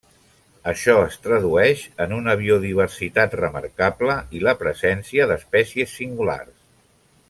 Això es tradueix en una biodiversitat remarcable i la presència d'espècies singulars.